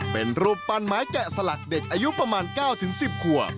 เป็นรูปปั้นไม้แกะสลักเด็กอายุประมาณ๙๑๐ขวบ